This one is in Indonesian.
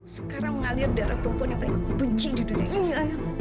sekarang ngalir darah perempuan yang paling ku benci di dunia ini ayam